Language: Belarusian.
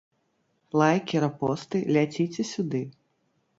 Лайкі, рэпосты, ляціце сюды.